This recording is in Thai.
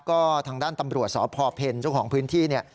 ก็ทางด้านตำรวจสพเพ็ญเจ้าของพื้นที่เนี่ย